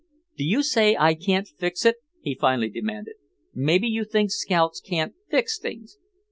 "Do you say I can't fix it?" he finally demanded. "Maybe you think scouts can't fix things.